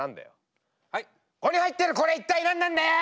ここに入ってるこれ一体何なんだよ！